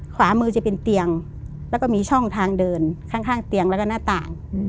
ขวามือจะเป็นเตียงแล้วก็มีช่องทางเดินข้างเตียงแล้วก็หน้าต่าง